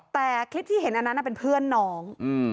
แต่คลิปที่เห็นอันนั้นเป็นเพื่อนน้อง